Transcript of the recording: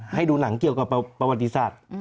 ให้ดูหนังเกี่ยวกับประวัติศาสตร์